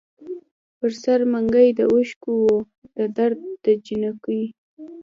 پر سر منګي د اوښکـــــو وو د درد دجینکــــو